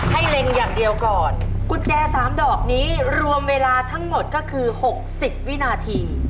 เล็งอย่างเดียวก่อนกุญแจสามดอกนี้รวมเวลาทั้งหมดก็คือหกสิบวินาที